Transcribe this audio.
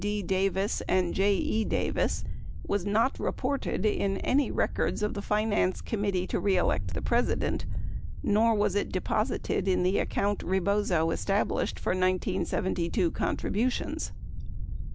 D. Davis and J. E. Davis w r as not reported in any records of the Finance Committee To Re Elect the President, 73 nor was it deposited in the account Rebozo established for 1972 contributions.